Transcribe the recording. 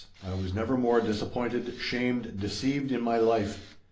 I was never more disappointed, shamed, deceived in my life.